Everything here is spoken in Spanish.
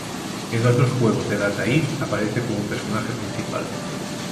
En otros juegos de Data East, aparece como un personaje principal.